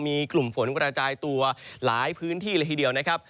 มีกลุ่มฝนกระจายตัวหลายพื้นที่เลยทีเดียวนะครับ